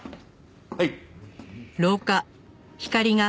はい。